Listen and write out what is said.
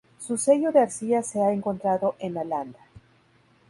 Su sello de arcilla se ha encontrado en Nalanda.